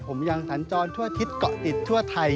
ผมยังถันจรทั่วทิศเกาะติดทั่วไทย